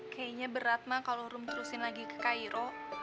kayaknya berat mak kalo rum terusin lagi ke kairo